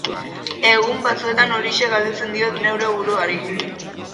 Egun batzuetan horixe galdetzen diot neure buruari.